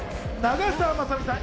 長澤まさみさん